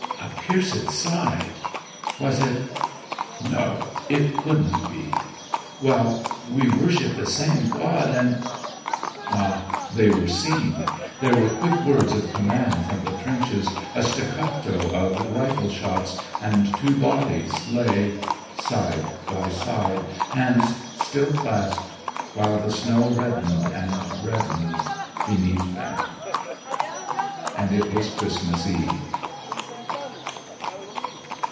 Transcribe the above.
"A pierced side!" "Was it " "No. It couldn't be." "Well, we worship the same God and " Ah, they were seen. There were quick words of command from the trenches, a staccato of rifle shots, and two bodies lay side by side, hands still clasped, while the snow reddened and reddened beneath them. And it was Christmas eve.